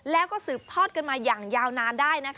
แล้วก็สืบทอดกันมาอย่างยาวนานได้นะคะ